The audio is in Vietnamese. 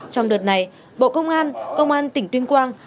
trong đợt này bộ công an công an tỉnh tuyên quang